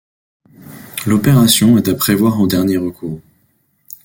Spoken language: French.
L'opération est à prévoir en dernier recours.